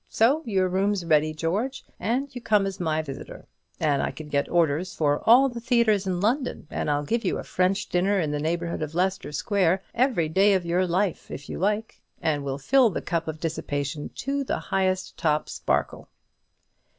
So your room's ready, George, and you come as my visitor; and I can get orders for all the theatres in London, and I'll give you a French dinner in the neighbourhood of Leicester Square every day of your life, if you like; and we'll fill the cup of dissipation to the highest top sparkle."